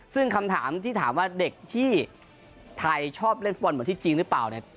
ซึ่งคำถามที่ถามว่าเด็กที่ไทยชอบเล่นฟุตบอลเหมือนที่จริงหรือเปล่าเนี่ย